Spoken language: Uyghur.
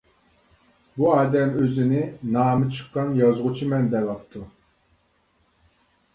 بۇ ئادەم ئۆزىنى نامى چىققان يازغۇچىمەن دەۋاپتۇ.